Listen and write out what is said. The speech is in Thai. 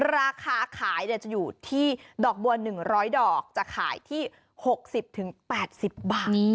ราคาขายจะอยู่ที่ดอกบัว๑๐๐ดอกจะขายที่๖๐๘๐บาท